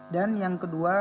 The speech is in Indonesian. dan yang kedua